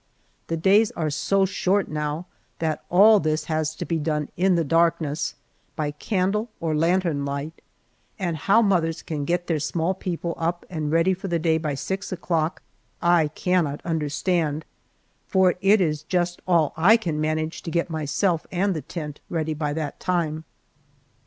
The days are so short now that all this has to be done in the darkness, by candle or lantern light, and how mothers can get their small people up and ready for the day by six o'clock, I cannot understand, for it is just all I can manage to get myself and the tent ready by that time.